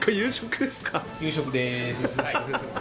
夕食でーす。